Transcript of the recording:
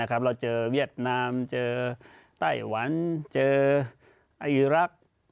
เราเจอเวียดนามเจอไต้หวันเจออีรักษ์